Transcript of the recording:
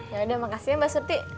yaudah makasih ya mbak surti